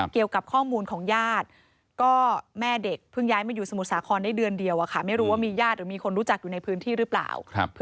เกี่ยวกับข้อมูลของญาติก็แม่เด็กเพิ่งย้ายมาอยู่สมุทรสาครได้เดือนเดียวอะค่ะ